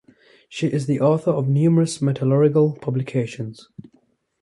She is the author of numerous metallurgical publications.